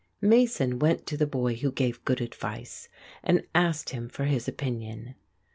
Mason went to the boy who gave good advice and asked him for his opinion.